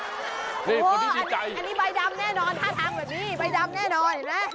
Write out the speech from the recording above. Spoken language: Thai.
อันนี้ใบดำแน่นอนถ้าทั้งแบบนี้ใบดำแน่นอน